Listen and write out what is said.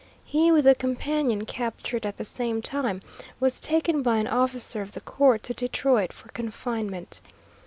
He, with the companion captured at the same time, was taken by an officer of the court to Detroit for confinement.